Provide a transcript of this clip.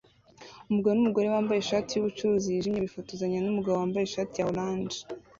Umugabo numugore bambaye ishati yubucuruzi yijimye bifotozanya numugabo wambaye ishati ya orange